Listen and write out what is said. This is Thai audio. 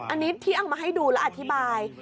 อันนี้ที่เอามาให้ดูแล้วอธิบาย